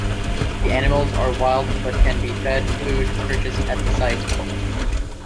The animals are wild but can be fed food purchased at the site.